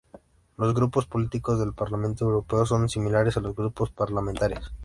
Los grupos políticos del Parlamento Europeo son similares a los grupos parlamentarios.